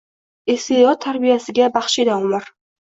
Iste’dod tarbiyasiga baxshida umr